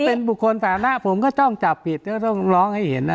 เป็นบุคคลฐานะผมก็ต้องจับผิดก็ต้องร้องให้เห็น